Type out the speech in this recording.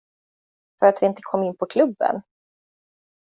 För att vi inte kom in på klubben?